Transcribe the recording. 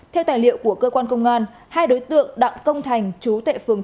theo tài liệu của cơ quan công an hai đối tượng đặng công thành chú tệ phương